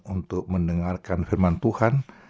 untuk mendengarkan firman tuhan